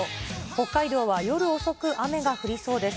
北海道は夜遅く雨が降りそうです。